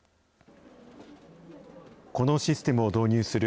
このシステムを導入する